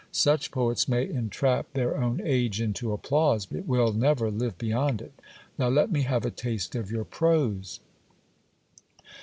Such poets may entrap their own age into applause, but will never live beyond it. Now let me have a taste of your prose.